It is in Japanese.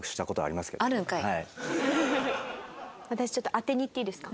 私ちょっと当てにいっていいですか？